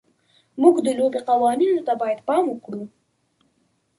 موږ د لوبې قوانینو ته باید پام وکړو.